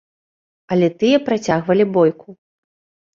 Але тыя працягвалі бойку.